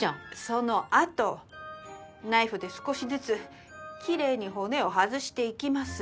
そのあとナイフで少しずつきれいに骨を外していきます。